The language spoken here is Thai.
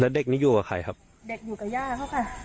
เด็กนี้อยู่กับใครครับเด็กอยู่กับย่าเขาค่ะ